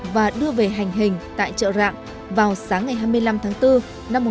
và đưa về hành hình tại chợ rạng vào sáng ngày hai mươi năm tháng bốn năm một nghìn chín trăm bốn mươi